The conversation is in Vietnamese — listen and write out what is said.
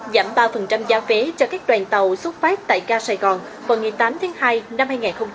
giảm ba giá vé cho các đoàn tàu xuất phát tại ga sài gòn vào ngày tám tháng hai năm hai nghìn hai mươi bốn